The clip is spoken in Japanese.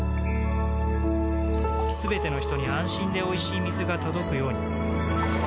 すべての人に安心でおいしい水が届くように